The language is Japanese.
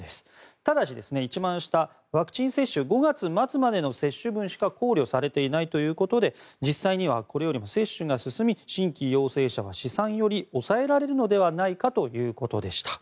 ただし、一番下ワクチン接種が５月末までの接種分しか考慮されていないということで実際にはこれよりも接種が進み新規陽性者は試算よりも抑えられるのではないかということでした。